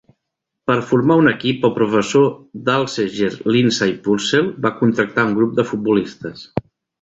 Per formar un equip, el professor d'Alsager Lindsay Purcell va contractar un grup de futbolistes.